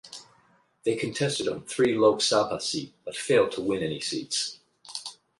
They contested on three Lok Sabha seat but failed to win any seats.